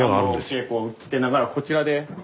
稽古をつけながらこちらで。